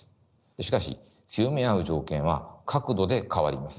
しかし強め合う条件は角度で変わります。